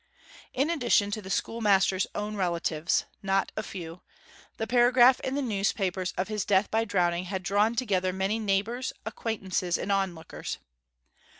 In addition to the schoolmaster's own relatives (not a few), the paragraph in the newspapers of his death by drowning had drawn together many neighbours, acquaintances, and onlookers.